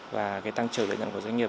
và cái tăng trưởng lợi nhuận của doanh nghiệp